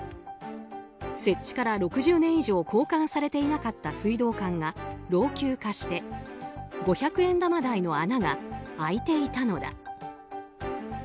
設置から６０年以上交換されていなかった水道管が老朽化して五百円玉大の穴が開いていたのだ。